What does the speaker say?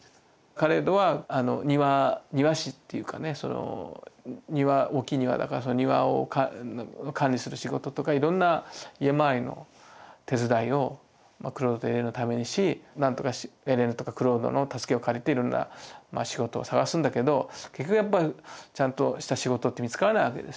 カレイドは庭師っていうかね大きい庭だからその庭を管理する仕事とかいろんな家まわりの手伝いをクロードとエレーヌのためにしなんとかエレーヌとかクロードの助けを借りていろんな仕事を探すんだけど結局やっぱちゃんとした仕事って見つからないわけですよね。